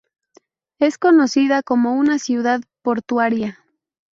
Es conocida como una ciudad portuaria.